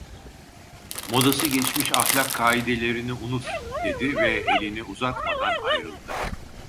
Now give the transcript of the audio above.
"Modası geçmiş ahlak kaidelerini unut!" dedi ve elini uzatmadan ayrıldı.